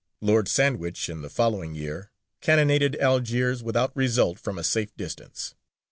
Lord Sandwich in the following year cannonaded Algiers without result from a safe distance.